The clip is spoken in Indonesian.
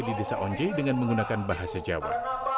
di desa onje dengan menggunakan bahasa jawa